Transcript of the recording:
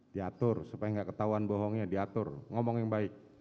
diatur supaya nggak ketahuan bohongnya diatur ngomong yang baik